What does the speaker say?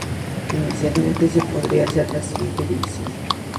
Inicialmente se podría hacer la siguiente división.